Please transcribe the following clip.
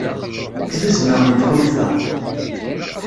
Ad k-zuzneɣ nekk ḥulfaɣ.